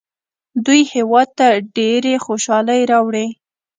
دوی هیواد ته ډېرې خوشحالۍ راوړي.